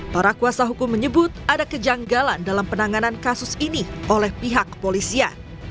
para kuasa hukum menyebut ada kejanggalan dalam penanganan kasus ini oleh pihak kepolisian